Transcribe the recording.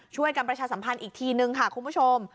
ช่วยกันประชาสัมพันธ์อีกทีนึงค่ะคุณผู้ชม